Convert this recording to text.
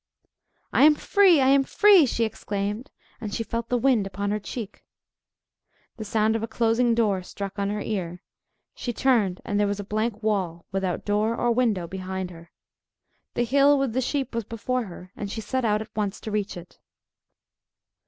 "I am free, I am free!" she exclaimed; and she felt the wind upon her cheek. The sound of a closing door struck on her ear. She turned—and there was a blank wall, without door or window, behind her. The hill with the sheep was before her, and she set out at once to reach it.